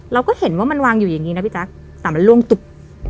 เราก็เห็นว่ามันวางอยู่อย่างนี้นะพี่แจ๊คแต่มันล่วงตุ๊บ